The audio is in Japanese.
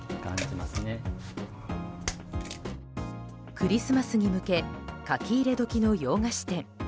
クリスマスに向け書き入れ時の洋菓子店。